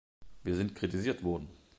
Wir sind kritisiert worden.